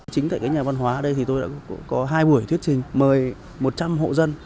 chính tại nhà văn hóa ở đây thì tôi đã có hai buổi thuyết trình mời một trăm linh hộ dân